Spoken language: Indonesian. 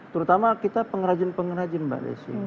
terutama kita pengrajin pengrajin mbak desi